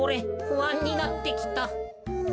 ふあんになってきた。